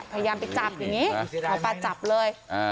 พยายามไปจับอย่างนี้หมอปลาจับเลย